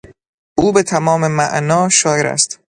او به تمام معنا شاعر است.